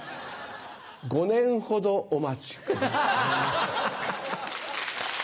５年ほどお待ち下さい。